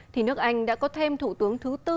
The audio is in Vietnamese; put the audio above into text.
thì nước anh đã có thêm thủ tướng thứ tư